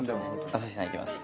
朝日さんいきます。